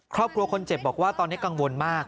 ครอบครัวคนเจ็บบอกว่าตอนนี้กังวลมาก